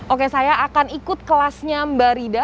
oke saya akan ikut kelasnya mbak rida